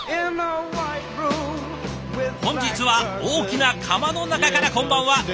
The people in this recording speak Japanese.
本日は大きな釜の中からこんばんは。